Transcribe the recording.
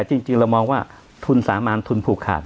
จริงเรามองว่าทุนสามารทุนผูกขาด